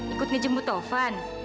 ikut ngejemput taufan